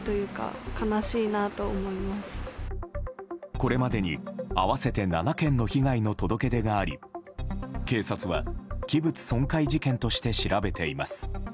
これまでに合わせて７件の被害の届け出があり警察は器物損壊事件として調べています。